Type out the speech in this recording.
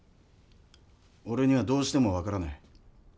俺にはどうしても分からねえ。